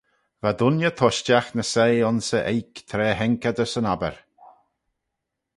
Va dooinney tushtagh ny soie ayns e oik tra haink eh dys yn obbyr.